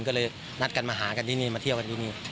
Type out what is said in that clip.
ก็เลยนัดกันมาหากันที่นี่มาเที่ยวกันที่นี่